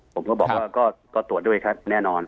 ผมก็บอกว่าก็ตรวจด้วยครับแน่นอน